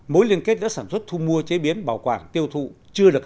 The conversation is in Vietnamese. mua chế biến bảo quản tiêu thụ chưa được